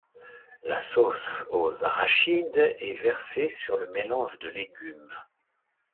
La sauce aux arachides est versée sur le mélange de légumes.